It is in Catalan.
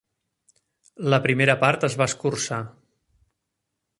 La primera part es va escurçar.